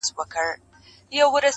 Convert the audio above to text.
زموږ وطن كي اور بل دی_